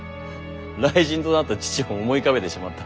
雷神となった父を思い浮かべてしまった。